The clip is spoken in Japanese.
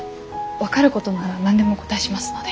分かることなら何でもお答えしますので。